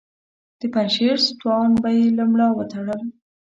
د پنجشیر ستوان به یې له ملا وتړل.